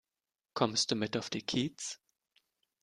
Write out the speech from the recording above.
Kommst du mit auf den Kiez?